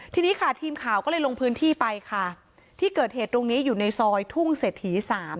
ทีนี้ค่ะทีมข่าวก็เลยลงพื้นที่ไปค่ะที่เกิดเหตุตรงนี้อยู่ในซอยทุ่งเศรษฐี๓